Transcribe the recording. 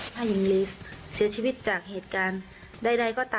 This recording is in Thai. คลิปนี้แหละเนอะ